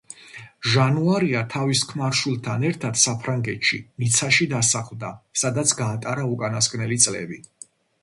ჟანუარია თავის ქმარ-შვილთან ერთად საფრანგეთში, ნიცაში დასახლდა, სადაც გაატარა უკანასკნელი წლები.